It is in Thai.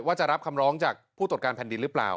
ว่าจะรับคำร้องจากผู้ตรวจการแผ่นดินหรือเปล่า